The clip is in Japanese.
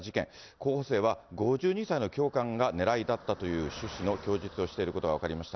候補生は５２歳の教官が狙いだったという趣旨の供述をしていることが分かりました。